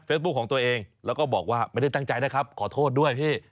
ของตัวเองแล้วก็บอกว่าไม่ได้ตั้งใจนะครับขอโทษด้วยพี่